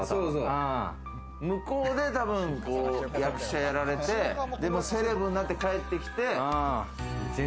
向こうで役者やられて、でもセレブになって帰ってきて。